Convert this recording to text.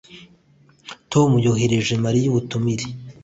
Tom yohereje Mariya ubutumire